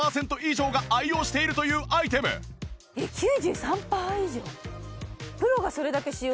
えっ９３パー以上！？